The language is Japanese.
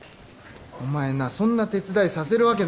お前なそんな手伝いさせるわけないだろ。